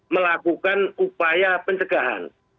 melakukan upaya pencegahan